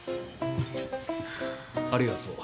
ありがとう。